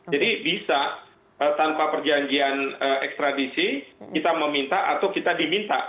jadi bisa tanpa perjanjian ekstradisi kita meminta atau kita diminta